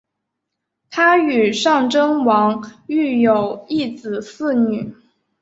她与尚贞王育有一子四女。